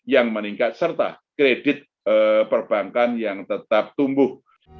yang meningkat serta kredit perbankan yang tetap tumbuh